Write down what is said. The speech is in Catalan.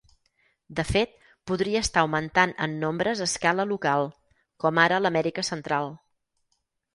De fet, podria estar augmentant en nombres a escala local, com ara a l'Amèrica Central.